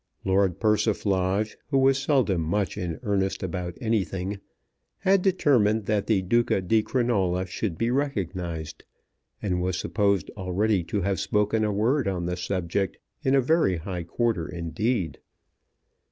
Lord Persiflage, who was seldom much in earnest about anything, had determined that the Duca di Crinola should be recognized, and was supposed already to have spoken a word on the subject in a very high quarter indeed.